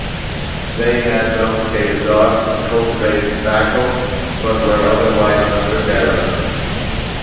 They had domesticated dogs and cultivated tobacco, but were otherwise hunter-gatherers.